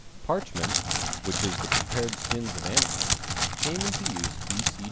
Parchment, which is the prepared skins of animals, came into use B. C.